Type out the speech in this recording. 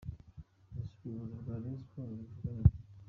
Ese ubuyobozi bwa Rayon Sports bubivugaho iki?.